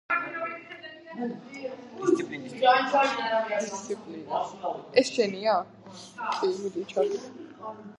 დაამთავრა საქართველოს ტექნიკური უნივერსიტეტი ფიზიკოსის სპეციალობით და სახელმწიფო მართვის ინსტიტუტი სახელმწიფო მოხელის სპეციალობით.